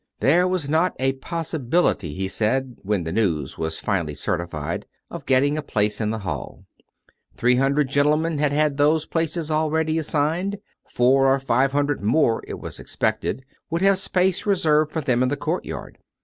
There was not a possibility, he said, when the news was finally certified, of getting a place in the hall. Three hundred gentlemen had had those places already assigned; four or five hun dred more, it was expected, would have space reserved for them in the courtyard.